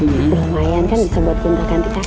lumayan kan bisa buat gendal ganti kakek